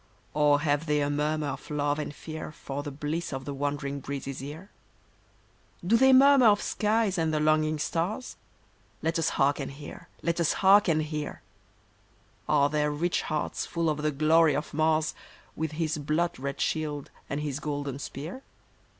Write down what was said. Or have they a murmur of love and fear For the bliss of the wandering breeze's ear ? Do they murmur of skies and the longing stars ? Let us hark and hear ! Let us hark and hear ! Are their rich hearts full of the glory of Mars, With his blood red shield, and his golden spear